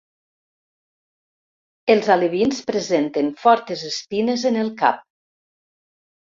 Els alevins presenten fortes espines en el cap.